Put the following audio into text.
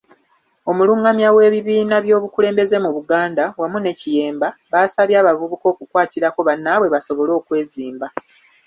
Omulungamya w'ebibiina by'obukulembeze mu Buganda, wamu ne Kiyemba, basabye abavubuka okukwatirako bannaabwe basobole okwezimba.